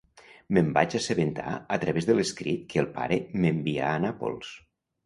Me'n vaig assabentar a través de l'escrit que el pare m'envià a Nàpols.